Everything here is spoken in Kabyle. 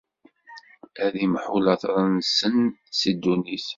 Ad imḥu later-nsen si ddunit.